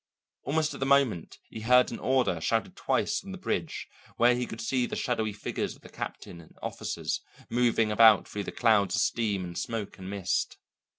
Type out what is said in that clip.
Almost at the moment, he heard an order shouted twice from the bridge, where he could see the shadowy figures of the captain and officers moving about through the clouds of steam and smoke and mist.